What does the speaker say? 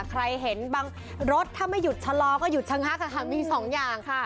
ใครเห็นบางรถถ้าไม่หยุดชะลอก็หยุดชะงักค่ะมีสองอย่างค่ะ